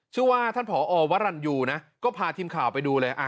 ชื่อว่าท่านผอวรรณยูนะก็พาทีมข่าวไปดูเลย